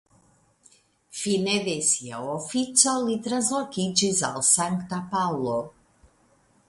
Fine de sia ofico li translokiĝis al Sankta Paŭlo.